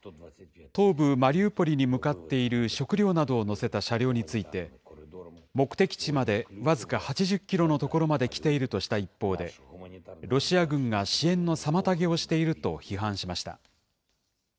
東部マリウポリに向かっている食料などを載せた車両について、目的地まで僅か８０キロの所まで来ているとした一方で、ロシア軍が支援の妨げをしていると批判しました。